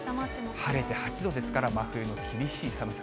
晴れて８度ですから、真冬の厳しい寒さ。